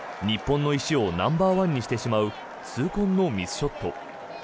日本の石をナンバーワンにしてしまう痛恨のミスショット。